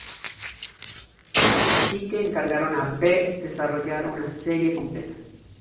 Así que encargaron a Beck desarrollar una serie completa.